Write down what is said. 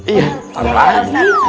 iya taruh lagi